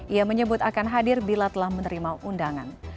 ia menyebut akan hadir bila telah menerima undangan